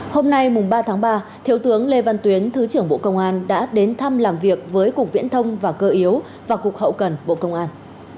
hôm nay mùng ba tháng ba thiếu tướng lê văn tuyến thứ trưởng bộ công an đã đến thăm làm việc với cục viễn thông và cơ yếu và cục hậu cần bộ công an